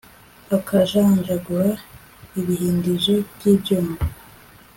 akajanjagura ibihindizo by'ibyuma